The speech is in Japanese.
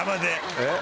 えっ？